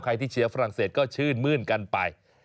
ที่เชียร์ฝรั่งเศสก็ชื่นมื้นกันไป